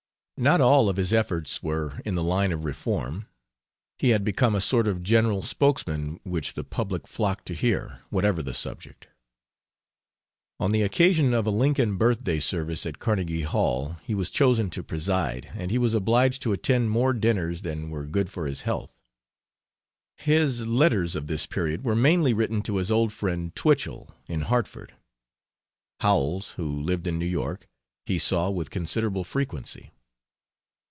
Not all of his efforts were in the line of reform; he had become a sort of general spokesman which the public flocked to hear, whatever the subject. On the occasion of a Lincoln Birthday service at Carnegie Hall he was chosen to preside, and he was obliged to attend more dinners than were good for his health. His letters of this period were mainly written to his old friend Twichell, in Hartford. Howells, who lived in New York, he saw with considerable frequency.